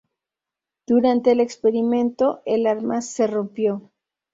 Durante el experimento, el arma se rompió.